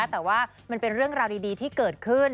แต่ว่ามันเป็นเรื่องราวดีที่เกิดขึ้น